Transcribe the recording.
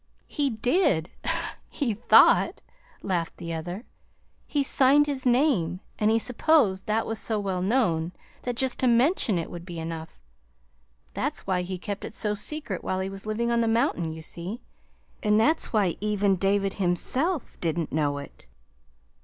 "He did, he thought," laughed the other. "He signed his name, and he supposed that was so well known that just to mention it would be enough. That's why he kept it so secret while he was living on the mountain, you see, and that's why even David himself didn't know it.